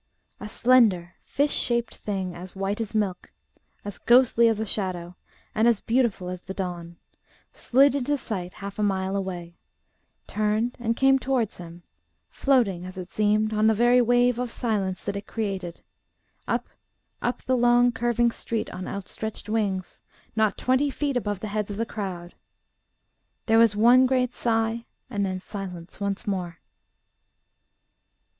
A slender, fish shaped thing, as white as milk, as ghostly as a shadow, and as beautiful as the dawn, slid into sight half a mile away, turned and came towards him, floating, as it seemed, on the very wave of silence that it created, up, up the long curving street on outstretched wings, not twenty feet above the heads of the crowd. There was one great sigh, and then silence once more.